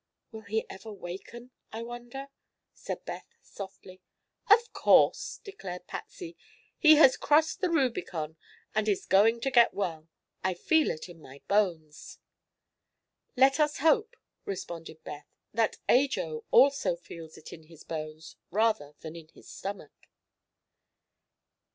"Will he ever waken, I wonder?" said Beth softly. "Of course," declared Patsy. "He has crossed the Rubicon and is going to get well. I feel it in my bones!" "Let us hope," responded Beth, "that Ajo also feels it in his bones, rather than in his stomach."